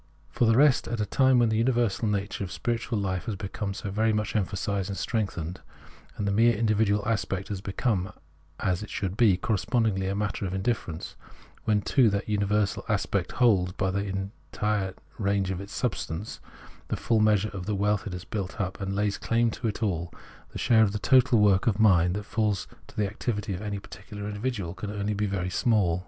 For the rest, at a time when the universal nature of spiritual life has become so very much emphasised and strengthened, and the mere individual aspect has become, as it should be, correspondingly a matter of indiilerence, when, too, that universal aspect holds, by the entire range of its substance, the full measure of the wealth it has built up, and lays claim to it all, the share in the total work of mind that falls to the activity of any particular individual can only be very small.